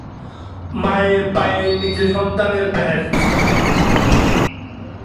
মুহম্মদ মোস্তফা কামাল রাজ পরিচালিত "প্রজাপতির" পর এই চলচ্চিত্রে দ্বিতীয়বারের মত একসাথে কাজ করেন জাহিদ হাসান ও মোশাররফ করিম।